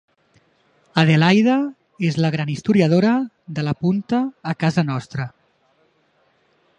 Adelaida és la gran historiadora de la punta a casa nostra.